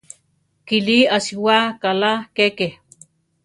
Kilí asiwá kaʼlá keke.